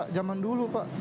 itu era zaman dulu pak